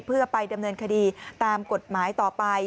เพื่อไปดำเนินคดีตามกฎหมายต่อไป